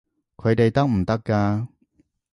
佢哋得唔得㗎？